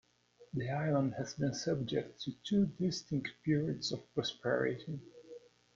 The island has been subject to two distinct periods of prosperity.